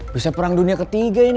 misalnya perang dunia ketiga ini